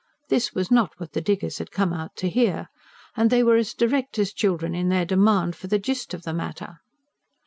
This was not what the diggers had come out to hear. And they were as direct as children in their demand for the gist of the matter.